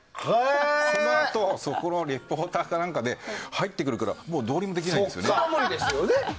そのあとそこのリポーターか何かで入ってくるからどうにもできないんですよね。